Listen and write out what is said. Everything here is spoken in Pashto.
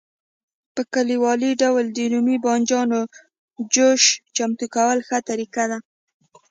په کلیوالي ډول د رومي بانجانو جوشه چمتو کول ښه طریقه ده.